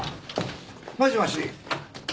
もしもし？